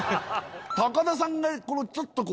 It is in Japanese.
高田さんがちょっと。